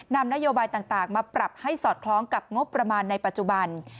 นำนโยบายต่างมาปรับให้สอดคล้องกับงบประมาณในปัจจุบัน